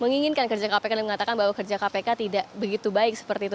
menginginkan kerja kpk dan mengatakan bahwa kerja kpk tidak begitu baik seperti itu